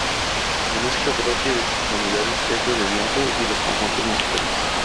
La música propia de estas comunidades es la de viento y los conjuntos musicales.